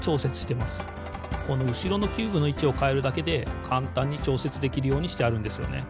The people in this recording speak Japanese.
このうしろのキューブのいちをかえるだけでかんたんにちょうせつできるようにしてあるんですよね。